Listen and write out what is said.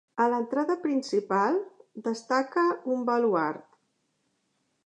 A l'entrada principal destaca un baluard.